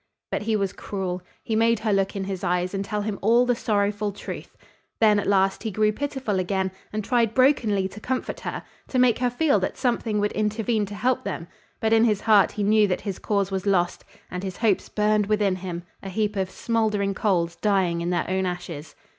But he was cruel. He made her look in his eyes and tell him all the sorrowful truth. Then at last he grew pitiful again and tried brokenly to comfort her, to make her feel that something would intervene to help them, but in his heart he knew that his cause was lost, and his hopes burned within him, a heap of smoldering coals dying in their own ashes.